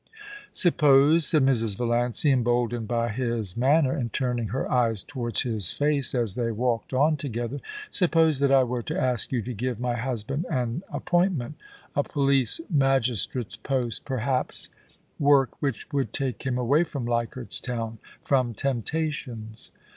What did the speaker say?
* Suppose,' said Mrs. Valiancy, emboldened by his man ner, and turning her eyes towards his face as they walked on together —* suppose that I were to ask you to give my husband an appointment — a police magistrate's post, perhaps THE WE A VING OF THE SPELL. 41 — work which would take him away from Leichardt's Town — ^from temptations.